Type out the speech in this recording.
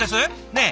ねえ！